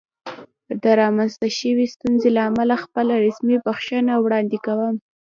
د رامنځته شوې ستونزې له امله خپله رسمي بښنه وړاندې کوم.